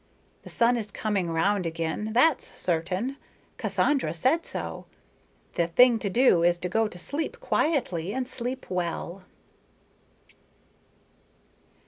The sun is coming round again; that's certain; Cassandra said so. The thing to do is to go to sleep quietly and sleep well."